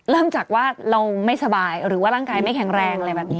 เริ่มจากว่าเราไม่สบายหรือว่าร่างกายไม่แข็งแรงอะไรแบบนี้